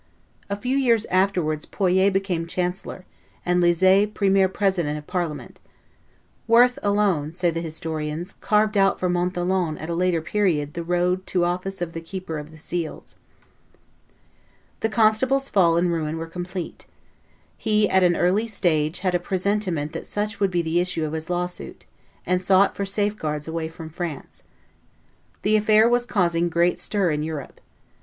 A few years afterwards Poyet became chancellor, and Lizet premier president of Parliament. "Worth alone," say the historians, "carved out for Montholon at a later period the road to the office of keeper of the seals." The constable's fall and ruin were complete. He at an early stage had a presentiment that such would be the issue of his lawsuit, and sought for safeguards away from France. The affair was causing great stir in Europe.